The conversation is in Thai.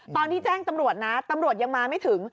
ตอนที่แจ้งตำรวจนะตำรวจยังมาไม่ถึง